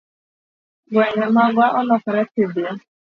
Gwenge magwa olokore thidhya.